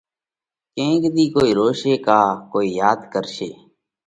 ڪينڪ ۮِي ڪوئي روشي ڪا ڪوئي ياڌ ڪرشي